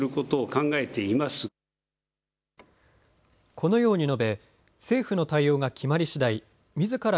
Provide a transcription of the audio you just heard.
このように述べ政府の対応が決まりしだいみずから